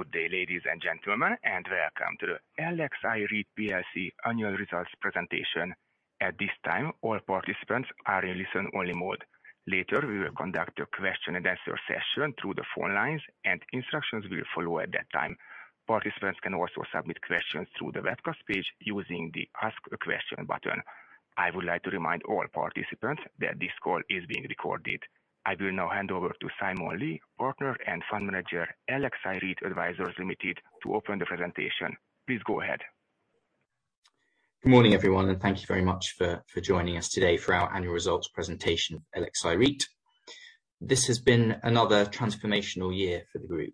Good day, ladies and gentlemen, and welcome to the LXI REIT plc annual results presentation. At this time, all participants are in listen-only mode. Later, we will conduct a question and answer session through the phone lines, and instructions will follow at that time. Participants can also submit questions through the webcast page using the Ask a question button. I would like to remind all participants that this call is being recorded. I will now hand over to Simon Lee, Partner and Fund Manager, LXI REIT Advisors Limited, to open the presentation. Please go ahead. Good morning, everyone, and thank you very much for joining us today for our annual results presentation, LXI REIT. This has been another transformational year for the group,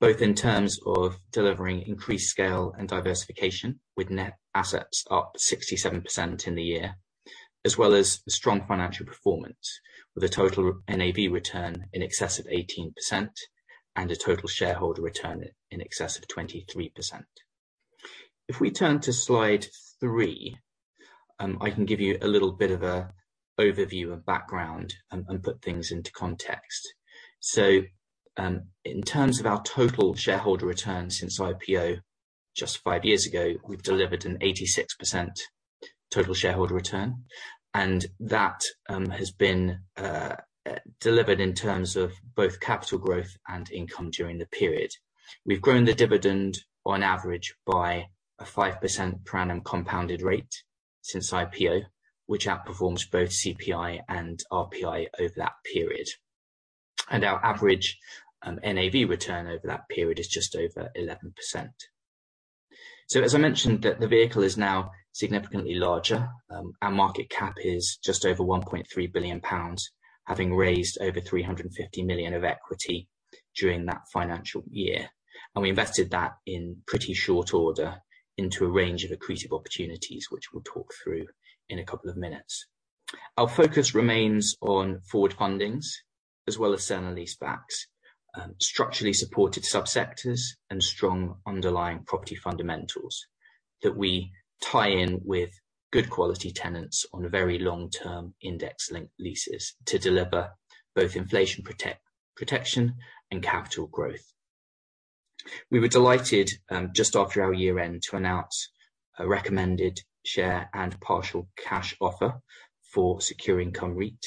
both in terms of delivering increased scale and diversification with net assets up 67% in the year. As well as strong financial performance with a total NAV return in excess of 18% and a total shareholder return in excess of 23%. If we turn to slide 3, I can give you a little bit of an overview and background and put things into context. In terms of our total shareholder returns since IPO just 5 years ago, we've delivered an 86% total shareholder return, and that has been delivered in terms of both capital growth and income during the period. We've grown the dividend on average by a 5% per annum compounded rate since IPO, which outperforms both CPI and RPI over that period. Our average NAV return over that period is just over 11%. As I mentioned, the vehicle is now significantly larger. Our market cap is just over £1.3 billion, having raised over £350 million of equity during that financial year. We invested that in pretty short order into a range of accretive opportunities, which we'll talk through in a couple of minutes. Our focus remains on forward fundings as well as sale and leasebacks, structurally supported subsectors and strong underlying property fundamentals that we tie in with good quality tenants on very long-term index-linked leases to deliver both inflation protection and capital growth. We were delighted, just after our year-end, to announce a recommended share and partial cash offer for Secure Income REIT.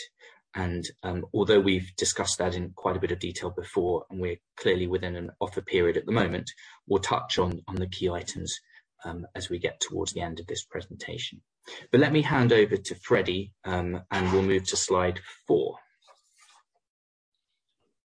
Although we've discussed that in quite a bit of detail before, and we're clearly within an offer period at the moment, we'll touch on the key items as we get towards the end of this presentation. Let me hand over to Freddie, and we'll move to slide four.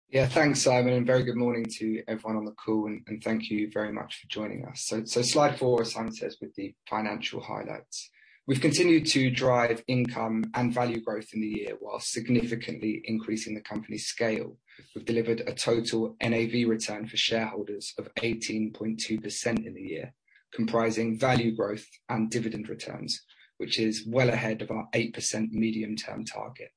Yeah. Thanks, Simon. Very good morning to everyone on the call, and thank you very much for joining us. Slide four, as Simon says, with the financial highlights. We've continued to drive income and value growth in the year while significantly increasing the company's scale. We've delivered a total NAV return for shareholders of 18.2% in the year, comprising value growth and dividend returns, which is well ahead of our 8% medium-term target.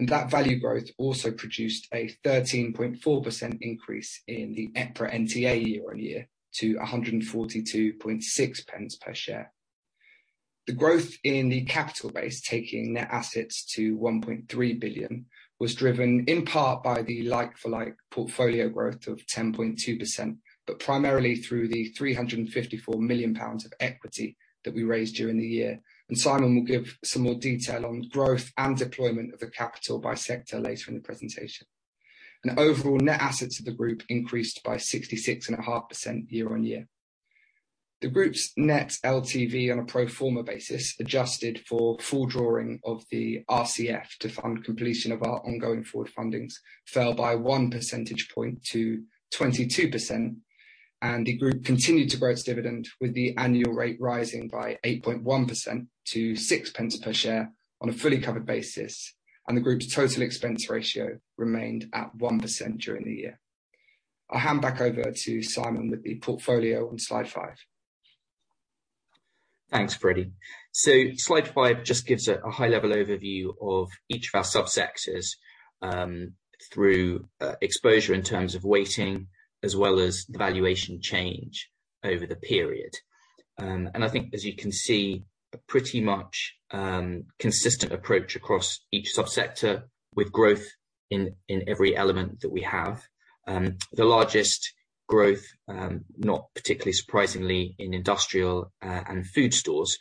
That value growth also produced a 13.4% increase in the EPRA NTA year-on-year to 142.6 pence per share. The growth in the capital base, taking net assets to £1.3 billion, was driven in part by the like-for-like portfolio growth of 10.2%, but primarily through the 354 million pounds of equity that we raised during the year. Simon will give some more detail on growth and deployment of the capital by sector later in the presentation. Overall net assets of the group increased by 66.5% year-on-year. The group's net LTV on a pro forma basis, adjusted for full drawing of the RCF to fund completion of our ongoing forward fundings, fell by 1 percentage point to 22%, and the group continued to grow its dividend, with the annual rate rising by 8.1% to 6 pence per share on a fully covered basis. The group's total expense ratio remained at 1% during the year. I'll hand back over to Simon with the portfolio on slide 5. Thanks, Freddie. Slide five just gives a high-level overview of each of our subsectors through exposure in terms of weighting as well as valuation change over the period. I think, as you can see, a pretty much consistent approach across each subsector with growth in every element that we have. The largest growth not particularly surprisingly in industrial and food stores,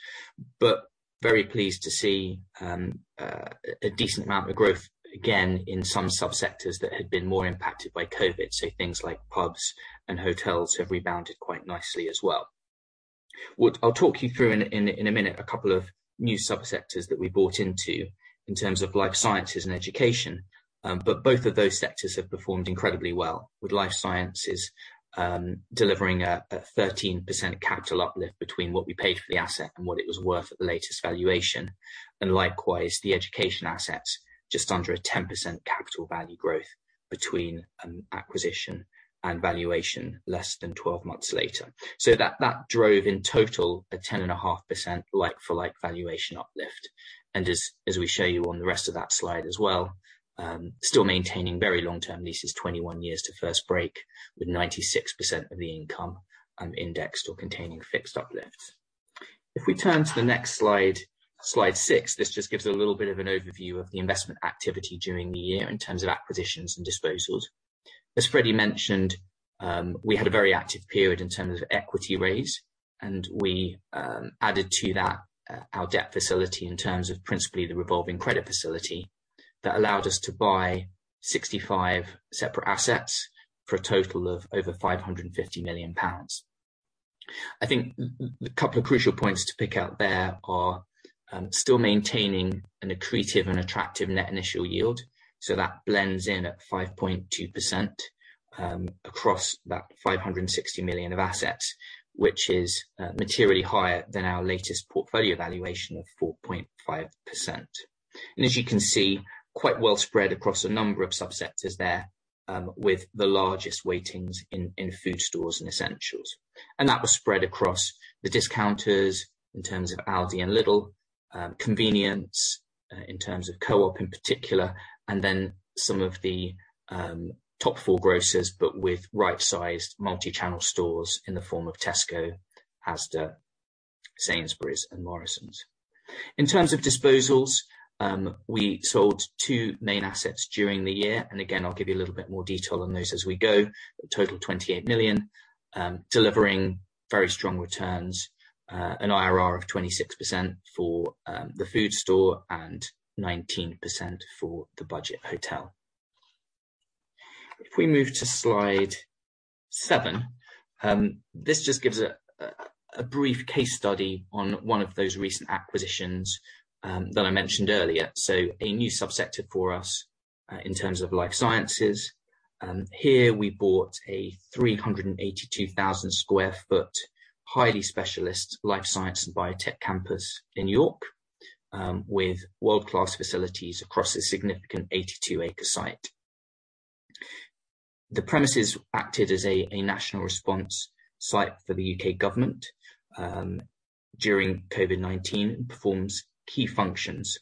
but very pleased to see a decent amount of growth again in some subsectors that had been more impacted by COVID. Things like pubs and hotels have rebounded quite nicely as well. I'll talk you through in a minute a couple of new subsectors that we bought into in terms of life sciences and education. Both of those sectors have performed incredibly well, with life sciences delivering a 13% capital uplift between what we paid for the asset and what it was worth at the latest valuation. Likewise, the education assets just under a 10% capital value growth between acquisition and valuation less than 12 months later. That drove in total a 10.5% like-for-like valuation uplift. As we show you on the rest of that slide as well, still maintaining very long-term leases, 21 years to first break, with 96% of the income indexed or containing fixed uplift. If we turn to the next slide 6, this just gives a little bit of an overview of the investment activity during the year in terms of acquisitions and disposals. As Freddie mentioned, we had a very active period in terms of equity raise, and we added to that our debt facility in terms of principally the revolving credit facility that allowed us to buy 65 separate assets for a total of over 550 million pounds. I think the couple of crucial points to pick out there are still maintaining an accretive and attractive net initial yield. That blends in at 5.2% across that 560 million of assets, which is materially higher than our latest portfolio valuation of 4.5%. As you can see, quite well spread across a number of subsectors there with the largest weightings in food stores and essentials. That was spread across the discounters in terms of Aldi and Lidl, convenience, in terms of Co-op in particular, and then some of the top four grocers, but with right-sized multi-channel stores in the form of Tesco, Asda, Sainsbury's and Morrisons. In terms of disposals, we sold two main assets during the year. Again, I'll give you a little bit more detail on those as we go. A total of 28 million, delivering very strong returns, an IRR of 26% for the food store and 19% for the budget hotel. If we move to slide 7, this just gives a brief case study on one of those recent acquisitions, that I mentioned earlier. A new subsector for us, in terms of life sciences. Here we bought a 382,000 sq ft, highly specialist life science and biotech campus in York, with world-class facilities across a significant 82-acre site. The premises acted as a national response site for the U.K. government during COVID-19, and performs key functions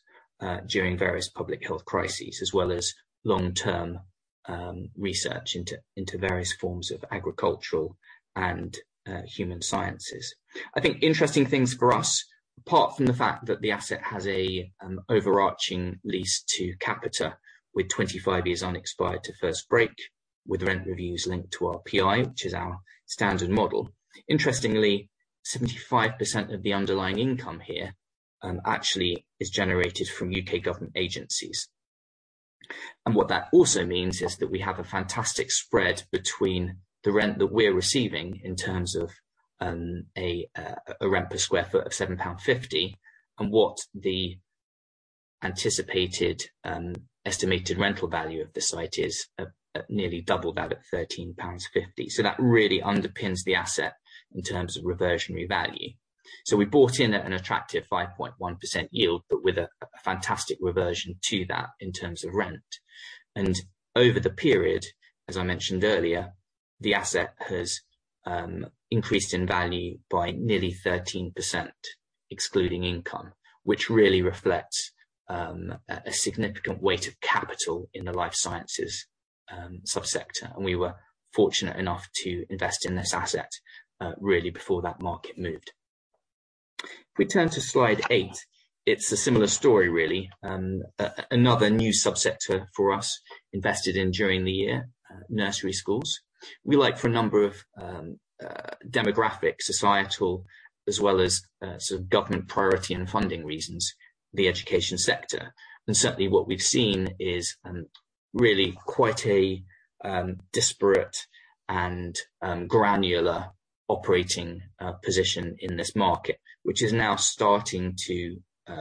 during various public health crises, as well as long-term research into various forms of agricultural and human sciences. I think interesting things for us, apart from the fact that the asset has an overarching lease to Capita with 25 years unexpired to first break, with rent reviews linked to our RPI, which is our standard model. Interestingly, 75% of the underlying income here actually is generated from U.K. government agencies. What that also means is that we have a fantastic spread between the rent that we're receiving in terms of a rent per sq ft of 7.50 pound, and what the anticipated estimated rental value of the site is at nearly double that at 13.50 pounds. That really underpins the asset in terms of reversionary value. We bought in at an attractive 5.1% yield, but with a fantastic reversion to that in terms of rent. Over the period, as I mentioned earlier, the asset has increased in value by nearly 13%, excluding income, which really reflects a significant weight of capital in the life sciences subsector. We were fortunate enough to invest in this asset really before that market moved. If we turn to slide eight, it's a similar story really. Another new subsector for us invested in during the year, nursery schools. We like, for a number of demographic and societal reasons, as well as government priority and funding reasons, the education sector. Certainly what we've seen is, really quite a disparate and, granular operating position in this market, which is now starting to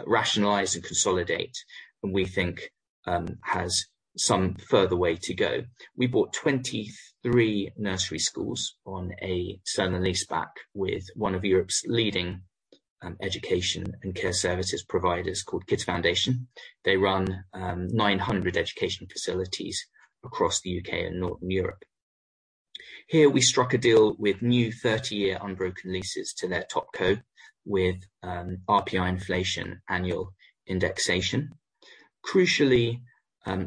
rationalize and consolidate, and we think has some further way to go. We bought 23 nursery schools on a sale and leaseback with one of Europe's leading, education and care services providers called Kindred Education. They run 900 education facilities across the UK and Northern Europe. Here we struck a deal with new 30-year unbroken leases to their top spec with, RPI inflation annual indexation. Crucially,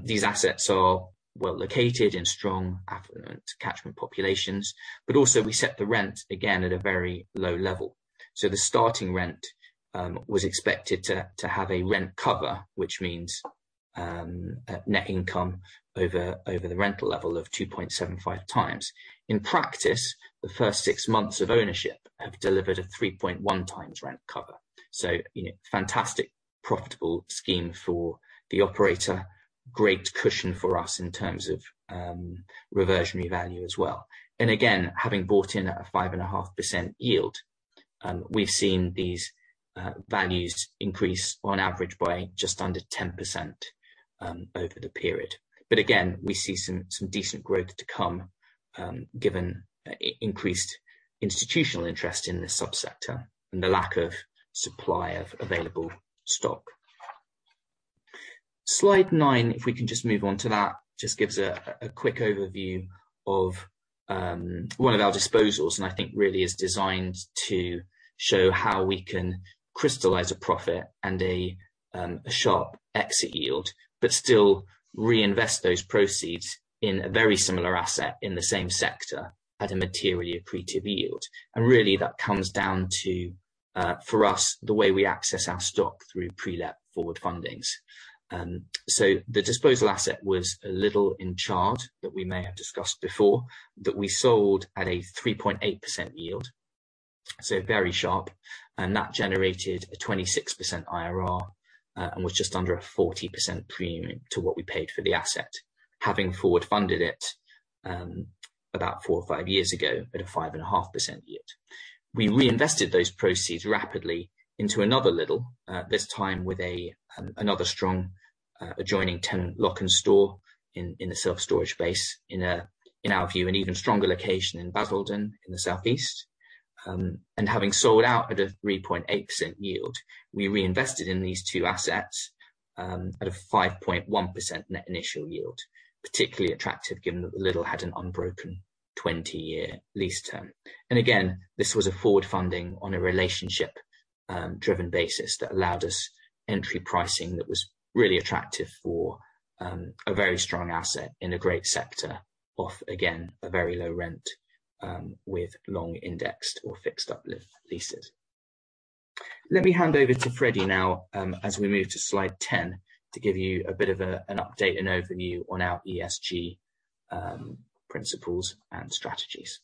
these assets are well located in strong affluent catchment populations, but also we set the rent again at a very low level. The starting rent was expected to have a rent cover, which means a net income over the rental level of 2.75 times. In practice, the first six months of ownership have delivered a 3.1 times rent cover. You know, fantastic profitable scheme for the operator, great cushion for us in terms of reversionary value as well. Again, having bought in at a 5.5% yield, we've seen these values increase on average by just under 10% over the period. Again, we see some decent growth to come given increased institutional interest in this subsector and the lack of supply of available stock. Slide nine, if we can just move on to that, just gives a quick overview of one of our disposals, and I think really is designed to show how we can crystallize a profit and a sharp exit yield, but still reinvest those proceeds in a very similar asset in the same sector at a materially accretive yield. Really that comes down to, for us, the way we access our stock through pre-let forward fundings. The disposal asset was a Lidl in Chard that we may have discussed before, that we sold at a 3.8% yield, so very sharp. That generated a 26% IRR and was just under a 40% premium to what we paid for the asset, having forward funded it, about 4 or 5 years ago at a 5.5% yield. We reinvested those proceeds rapidly into another Lidl, this time with another strong adjoining tenant Lok'nStore in the self-storage space in our view, an even stronger location in Basildon in the Southeast. Having sold out at a 3.8% yield, we reinvested in these two assets at a 5.1% net initial yield, particularly attractive given that the Lidl had an unbroken 20-year lease term. Again, this was a forward funding on a relationship driven basis that allowed us entry pricing that was really attractive for a very strong asset in a great sector, off a very low rent, with long indexed or fixed uplift leases. Let me hand over to Freddie now, as we move to slide 10 to give you a bit of an update and overview on our ESG principles and strategies.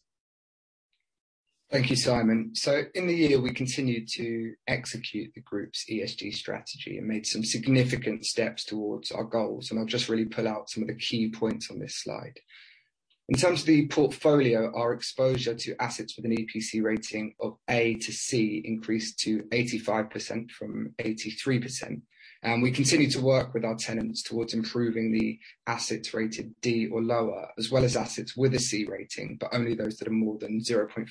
Thank you, Simon. In the year, we continued to execute the group's ESG strategy and made some significant steps toward our goals. I'll just really pull out some of the key points on this slide. In terms of the portfolio, our exposure to assets with an EPC rating of A to C increased to 85% from 83%. We continue to work with our tenants toward improving the assets rated D or lower, as well as assets with a C rating, but only those that are more than 0.5%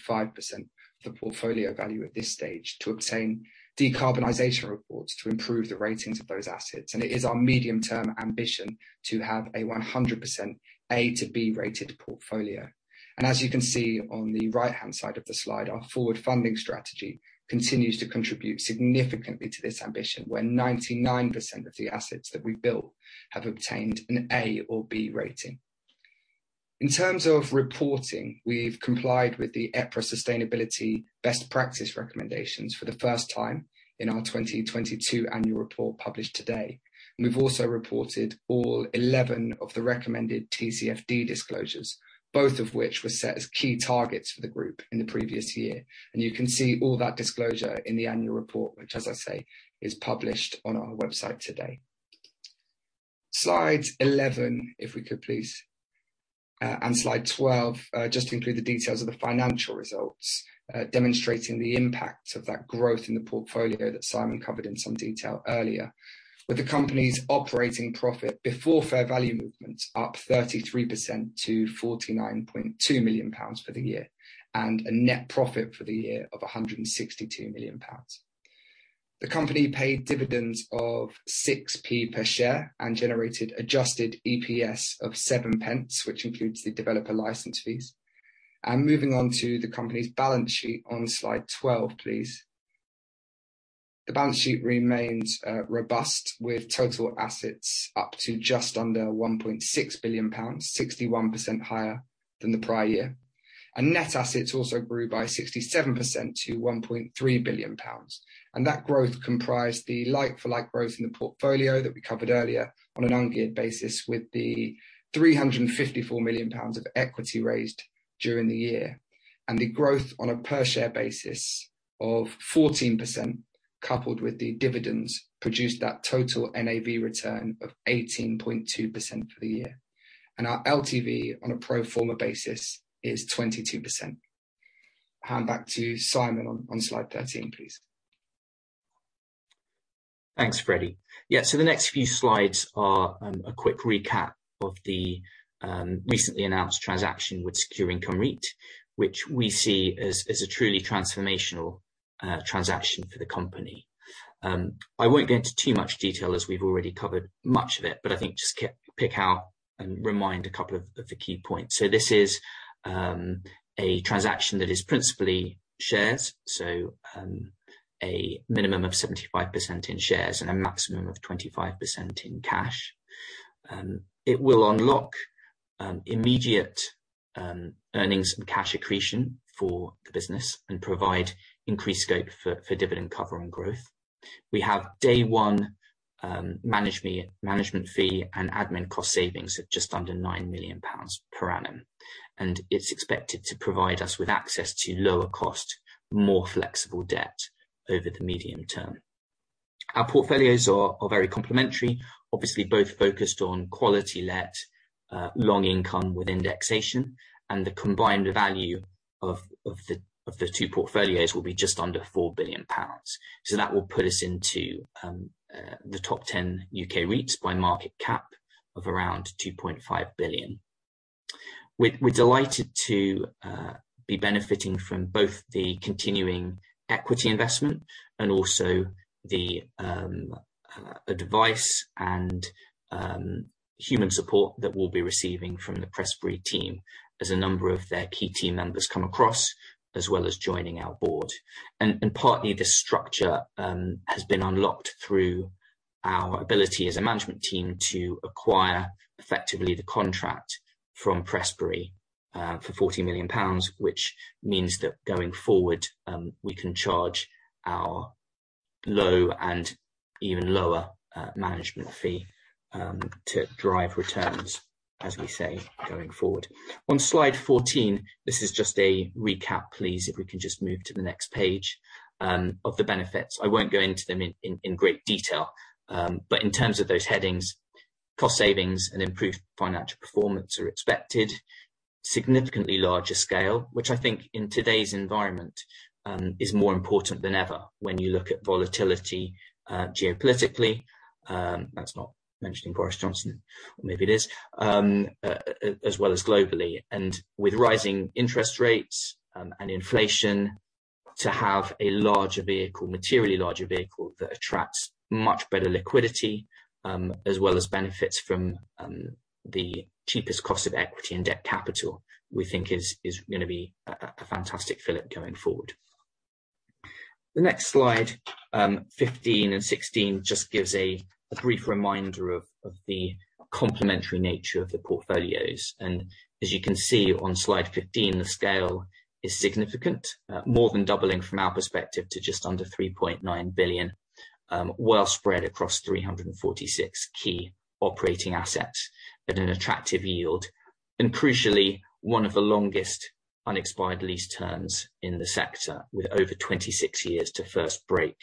of the portfolio value at this stage to obtain decarbonization reports to improve the ratings of those assets. It is our medium-term ambition to have a 100% A to B rated portfolio. As you can see on the right-hand side of the slide, our forward funding strategy continues to contribute significantly to this ambition, where 99% of the assets that we built have obtained an A or B rating. In terms of reporting, we've complied with the EPRA sustainability best practice recommendations for the first time in our 2022 annual report published today. We've also reported all 11 of the recommended TCFD disclosures, both of which were set as key targets for the group in the previous year. You can see all that disclosure in the annual report, which as I say, is published on our website today. Slide 11, if we could please. Slide 12 just includes the details of the financial results, demonstrating the impact of that growth in the portfolio that Simon covered in some detail earlier. With the company's operating profit before fair value movements up 33% to 49.2 million pounds for the year, and a net profit for the year of 162 million pounds. The company paid dividends of 6p per share and generated adjusted EPS of 7p, which includes the developer licence fees. Moving on to the company's balance sheet on slide 12, please. The balance sheet remains robust with total assets up to just under 1.6 billion pounds, 61% higher than the prior year. Net assets also grew by 67% to £1.3 billion. That growth comprised the like-for-like growth in the portfolio that we covered earlier on an ungeared basis with the 354 million pounds of equity raised during the year. The growth on a per share basis of 14%, coupled with the dividends, produced that total NAV return of 18.2% for the year. Our LTV on a pro forma basis is 22%. Hand back to Simon on slide 13, please. Thanks, Freddie. Yeah, the next few slides are a quick recap of the recently announced transaction with Secure Income REIT, which we see as a truly transformational transaction for the company. I won't get into too much detail as we've already covered much of it, but I think just pick out and remind a couple of the key points. This is a transaction that is principally shares. A minimum of 75% in shares and a maximum of 25% in cash. It will unlock immediate earnings and cash accretion for the business and provide increased scope for dividend cover and growth. We have day one management fee and admin cost savings of just under 9 million pounds per annum. It's expected to provide us with access to lower cost, more flexible debt over the medium term. Our portfolios are very complementary, obviously both focused on quality, well-let, long income with indexation, and the combined value of the two portfolios will be just under 4 billion pounds. That will put us into the top ten U.K. REITs by market cap of around 2.5 billion. We're delighted to be benefiting from both the continuing equity investment and also the advice and human support that we'll be receiving from the Prestbury team, as a number of their key team members come across, as well as joining our board. Partly the structure has been unlocked through our ability as a management team to acquire effectively the contract from Prestbury for 40 million pounds. Which means that going forward, we can charge our low and even lower management fee to drive returns, as we say going forward. On slide 14, this is just a recap, please, if we can just move to the next page, of the benefits. I won't go into them in great detail. But in terms of those headings, cost savings and improved financial performance are expected. Significantly larger scale, which I think in today's environment, is more important than ever when you look at volatility, geopolitically. That's not mentioning Boris Johnson, or maybe it is. As well as globally. With rising interest rates and inflation, to have a larger vehicle, materially larger vehicle that attracts much better liquidity, as well as benefits from the cheapest cost of equity and debt capital, we think is gonna be a fantastic fillip going forward. The next slide, 15 and 16, just gives a brief reminder of the complementary nature of the portfolios. As you can see on slide 15, the scale is significant. More than doubling from our perspective to just under 3.9 billion. Well spread across 346 key operating assets at an attractive yield. Crucially, one of the longest unexpired lease terms in the sector, with over 26 years to first break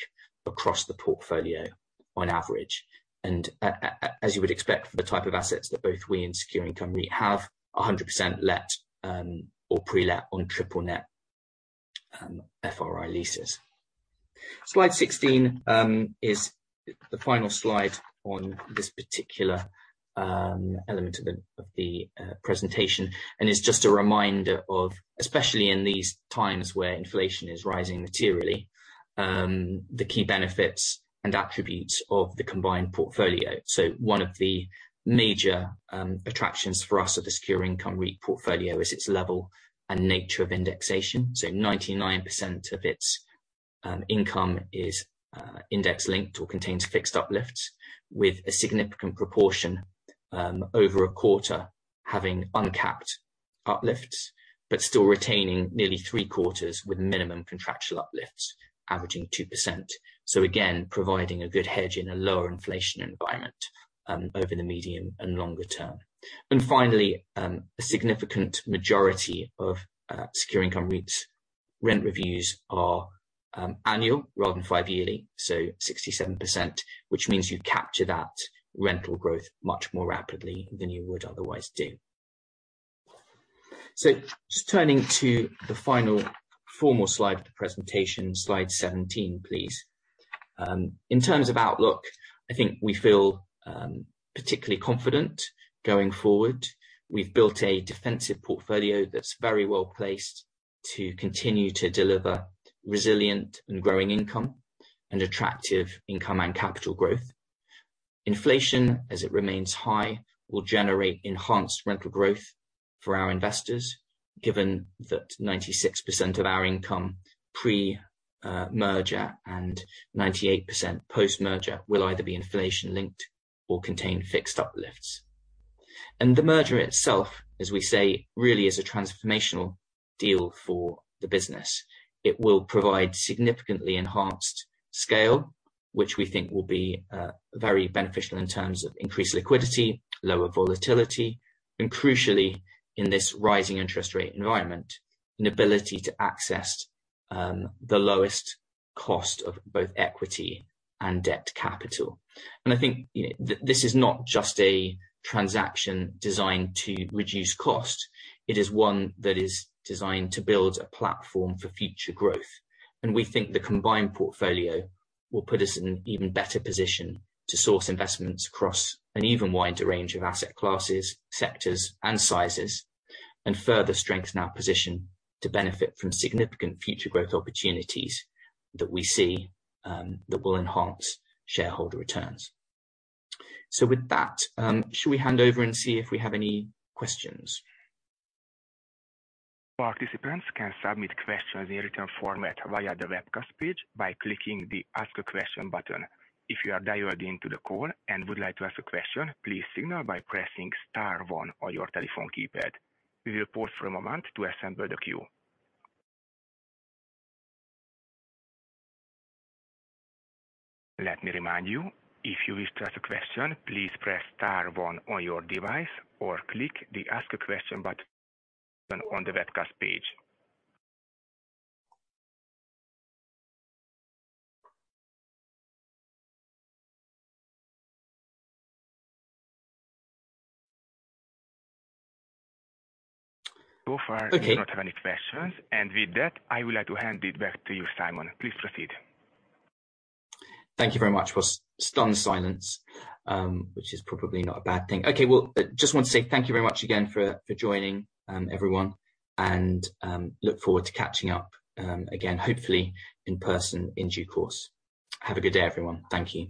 across the portfolio on average. As you would expect for the type of assets that both we and Secure Income REIT have, 100% let or pre-let on triple net FRI leases. Slide 16 is the final slide on this particular element of the presentation. It is just a reminder of, especially in these times where inflation is rising materially, the key benefits and attributes of the combined portfolio. One of the major attractions for us of the Secure Income REIT portfolio is its level and nature of indexation. 99% of its income is index linked or contains fixed uplifts, with a significant proportion over a quarter having uncapped uplifts, but still retaining nearly three-quarters with minimum contractual uplifts averaging 2%. Again, providing a good hedge in a lower inflation environment, over the medium and longer term. Finally, a significant majority of Secure Income REIT Plc's rent reviews are annual rather than five yearly. 67%, which means you capture that rental growth much more rapidly than you would otherwise do. Just turning to the final formal slide of the presentation, slide 17, please. In terms of outlook, I think we feel particularly confident going forward. We've built a defensive portfolio that's very well placed to continue to deliver resilient and growing income, and attractive income and capital growth. Inflation, as it remains high, will generate enhanced rental growth for our investors, given that 96% of our income pre-merger and 98% post-merger will either be inflation linked or contain fixed uplifts. The merger itself, as we say, really is a transformational deal for the business. It will provide significantly enhanced scale, which we think will be very beneficial in terms of increased liquidity, lower volatility, and crucially, in this rising interest rate environment, an ability to access the lowest cost of both equity and debt capital. I think, you know, this is not just a transaction designed to reduce cost, it is one that is designed to build a platform for future growth. We think the combined portfolio will put us in an even better position to source investments across an even wider range of asset classes, sectors and sizes. Further strengthen our position to benefit from significant future growth opportunities that we see that will enhance shareholder returns. With that, should we hand over and see if we have any questions? Participants can submit questions in written format via the webcast page by clicking the Ask a Question button. If you are dialed into the call and would like to ask a question, please signal by pressing star one on your telephone keypad. We will pause for a moment to assemble the queue. Let me remind you, if you wish to ask a question, please press star one on your device or click the Ask a Question button on the webcast page. So far. Okay. We do not have any questions. With that, I would like to hand it back to you, Simon. Please proceed. Thank you very much. Well, stunned silence, which is probably not a bad thing. Okay. Well, just want to say thank you very much again for joining, everyone. Look forward to catching up, again, hopefully in person in due course. Have a good day, everyone. Thank you.